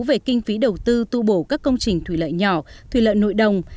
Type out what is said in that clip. về kinh phí đầu tư tu bổ các công trình thủy lợi nhỏ thủy lợi nội đồng